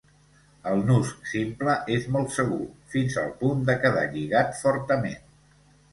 El nus simple és molt segur, fins al punt de quedar lligat fortament.